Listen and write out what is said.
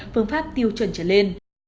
phương pháp tiêu chuẩn trở lên